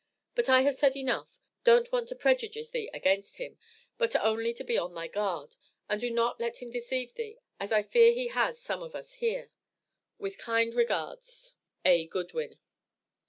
But I have said enough don't want to prejudice thee against him, but only be on thy guard, and do not let him deceive thee, as I fear he has some of us here. With kind regards, A. GOODWIN.